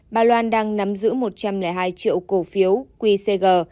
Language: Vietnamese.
bà loan đang nắm giữ một trăm linh hai triệu cổ phiếu qcg